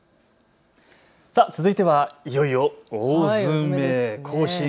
続いてはいよいよ大詰め。